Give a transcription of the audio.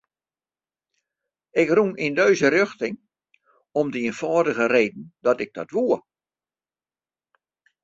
Ik rûn yn dizze rjochting om de ienfâldige reden dat ik dat woe.